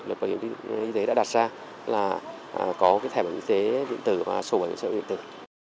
luật bảo hiểm y tế đã đặt ra là có thẻ bảo hiểm y tế điện tử và sổ bảo hiểm xã hội điện tử